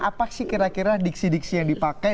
apa sih kira kira diksi diksi yang dipakai